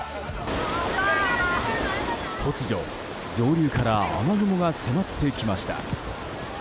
突如、上流から雨雲が迫ってきました。